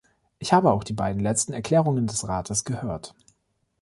Ich habe auch die beiden letzten Erklärungen des Rates gehört.